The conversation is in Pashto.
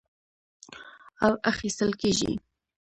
او اخىستل کېږي،